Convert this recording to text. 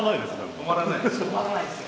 止まらないですよ。